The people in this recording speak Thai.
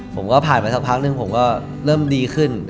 ผมก็ผ่านไปสักพักหนึ่งผมก็เริ่มดีขึ้น